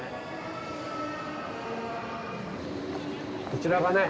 こちらがね